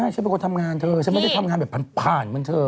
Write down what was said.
ฉันเป็นคนทำงานเธอฉันไม่ได้ทำงานแบบผ่านเหมือนเธอ